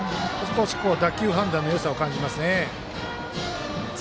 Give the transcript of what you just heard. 打球判断のよさを感じますね。